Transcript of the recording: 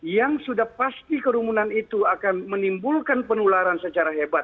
yang sudah pasti kerumunan itu akan menimbulkan penularan secara hebat